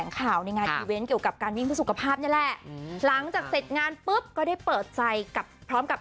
เกี่ยวกับการวิ่งภาษาสุขภาพ